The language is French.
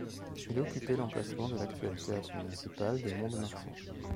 Il occupait l’emplacement de l'actuel théâtre municipal de Mont-de-Marsan.